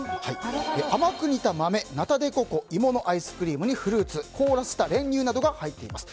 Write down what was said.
甘く煮た豆、ナタデココ芋のアイスクリームにフルーツ凍らせた練乳などが入っています。